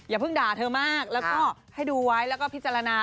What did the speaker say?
เพิ่งด่าเธอมากแล้วก็ให้ดูไว้แล้วก็พิจารณา